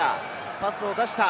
パスを出した。